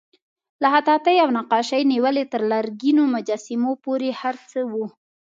له خطاطۍ او نقاشۍ نیولې تر لرګینو مجسمو پورې هر څه وو.